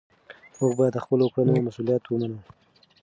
موږ باید د خپلو کړنو مسؤلیت ومنو.